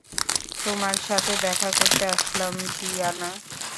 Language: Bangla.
তোমার সাথে দেখা করতে আসলাম, ডিয়ানা।